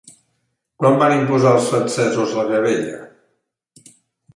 Quan van imposar els francesos la gabella?